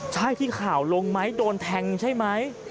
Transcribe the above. ใช่ที่ข่าวลงไหมโดนแทงใช่ไหม